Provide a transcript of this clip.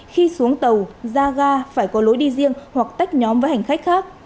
khi xuống tàu ra ga phải có lối đi riêng hoặc tách nhóm với hành khách khác